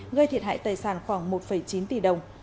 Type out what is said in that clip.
gây thiệt hại tài sản khoảng một chín tỷ đồng